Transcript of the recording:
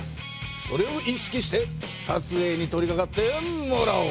それを意識して撮影に取りかかってもらおう！